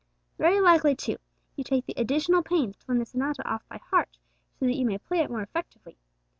Very likely, too, you take the additional pains to learn the sonata off by heart, so that you may play it more effectively.